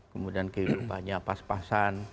kemudian kehidupannya pas pasan